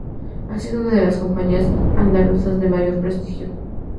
Ha sido una de las compañías andaluzas de mayor prestigio.